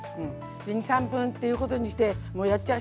で２３分っていうことにしてもうやっちゃう。